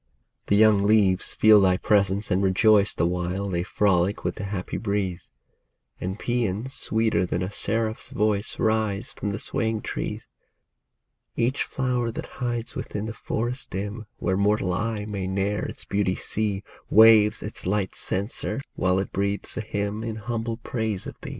The young leaves feel thy presence and rejoice The while they frolic with the happy breeze ; And paeans sweeter than a seraph's voice Rise from the swaying trees. Each flower that hides within the forest dim. Where mortal eye may ne'er its beauty see, Waves its light censer, while it breathes a hymn In humble praise of thee.